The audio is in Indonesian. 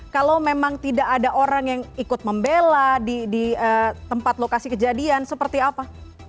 kalau memang tidak ada orang yang ikut membela di tempat lokasi kejadian seperti apa